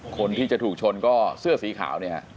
คนที่จะถูกชนก็เสื้อสีขาวเนี่ยฮะ